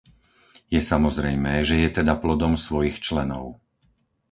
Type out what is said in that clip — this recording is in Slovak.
Je samozrejmé, že je teda plodom svojich členov.